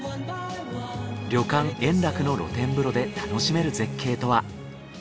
旅館延楽の露天風呂で楽しめる絶景とは。